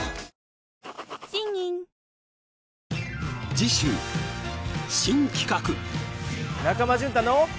次週新企画！